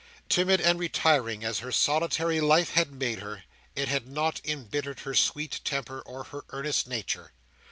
Timid and retiring as her solitary life had made her, it had not embittered her sweet temper, or her earnest nature.